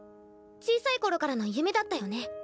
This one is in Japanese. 小さい頃からの夢だったよね？